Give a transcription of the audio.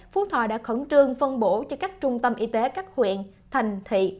phú thọ đã khẩn trương phân bổ cho các trung tâm y tế các huyện thành thị